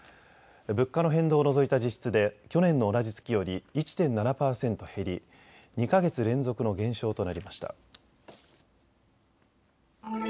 物価の変動を除いた実質で去年の同じ月より１．７％減り２か月連続の減少となりました。